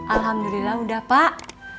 alhamdulillah udah pak